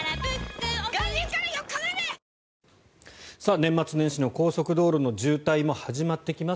年末年始の高速道路の渋滞も始まってきます。